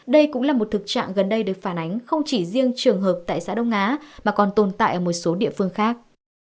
đây cũng là một thực trạng gần đây được phản ánh không chỉ riêng trường hợp tại xã đông á mà còn tồn tại ở một số địa phương khác